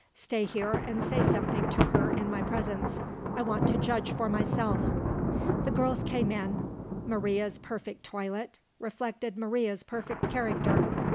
Stay here, and say something to her in my presence. I want to judge for myself." The girls came in. Maria's perfect toilet, reflected Maria's perfect character.